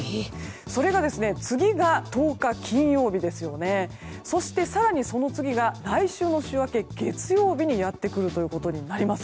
それが、次が１０日金曜日そして更にその次が来週の週明け月曜日にやってくることになります。